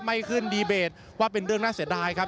ไม่ขึ้นดีเบตว่าเป็นเรื่องน่าเสียดายครับ